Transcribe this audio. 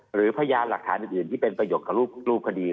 พยานหลักฐานอื่นที่เป็นประโยชน์กับรูปคดี